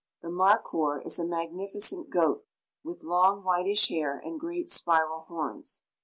The markhoor is a magnificent goat, with long whitish hair and great spiral horns.